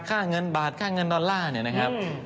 ค่าเงินบาทค่าเงินดอลลาร์เนี่ยนะครับ